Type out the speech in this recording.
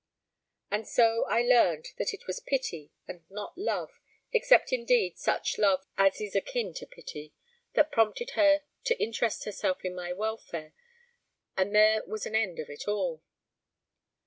And so I learned that it was pity, and not love, except indeed such love as is akin to pity, that prompted her to interest herself in my welfare, and there was an end of it all.